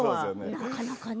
なかなかね。